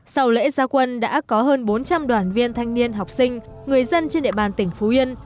sau lễ gia quân đã có hơn bốn trăm linh đoàn viên thanh niên học sinh người dân trên địa bàn tỉnh phú yên